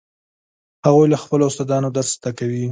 هغوی له خپلو استادانو درس زده کوي